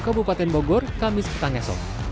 kabupaten bogor kamis petang esok